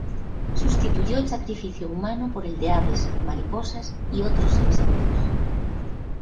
Sustituyó el sacrificio humano por el de aves, mariposas y otros insectos.